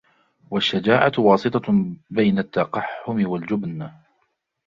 وَالشُّجَاعَةُ وَاسِطَةٌ بَيْنَ التَّقَحُّمِ وَالْجُبْنِ